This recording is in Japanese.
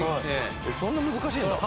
そんな難しいんだ。